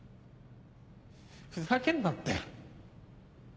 ふざけんなって。